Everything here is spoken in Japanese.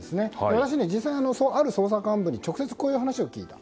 私、実際にある捜査幹部に直接こういう話を聞いた。